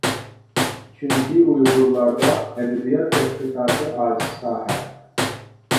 چۈنكى ئۇيغۇرلاردا ئەدەبىيات تەتقىقاتى ئاجىز ساھە.